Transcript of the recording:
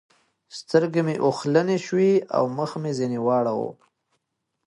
سترګې مې اوښلنې شوې او مخ مې ځنې واړاوو.